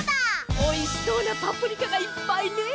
おいしそうなパプリカがいっぱいね！